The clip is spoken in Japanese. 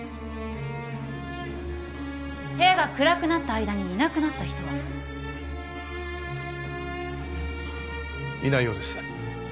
部屋が暗くなった間にいなくなった人は？いないようです。